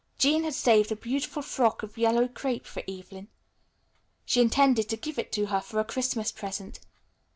Jean had saved a beautiful frock of yellow crêpe for Evelyn. She intended to give it to her for a Christmas present.